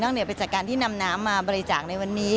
เหนือไปจากการที่นำน้ำมาบริจาคในวันนี้